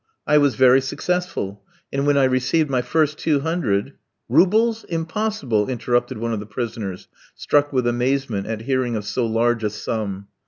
"I was very successful, and when I received my first two hundred " "Roubles? impossible!" interrupted one of the prisoners, struck with amazement at hearing of so large a sum.